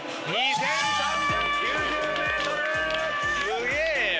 すげえよ。